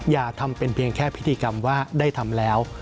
อย่าทำเป็นเพียงแค่พิธีกรรมว่าได้ทำแล้ว